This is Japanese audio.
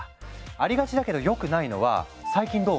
ありがちだけど良くないのは「最近どう？」。